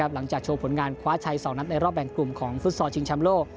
หลังจากโชว์ผลงานคว้าชัย๒นัดในรอบแบ่งกลุ่มของฟุตซอลชิงชำโลก